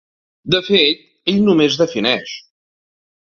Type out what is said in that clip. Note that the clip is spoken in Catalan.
De fet, ell només defineix.